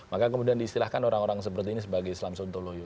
maka kemudian diistilahkan orang orang seperti ini sebagai islam sontoloyo